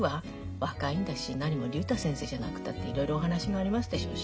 若いんだしなにも竜太先生じゃなくたっていろいろお話がありますでしょうし。